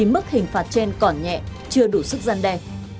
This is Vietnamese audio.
mức hình phạt trên còn nhẹ chưa đủ sức gian đe